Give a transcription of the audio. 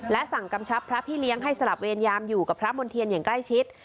สั่งกำชับพระพี่เลี้ยงให้สลับเวรยามอยู่กับพระมณ์เทียนอย่างใกล้ชิด